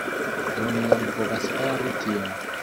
Do mi jam povas fari tion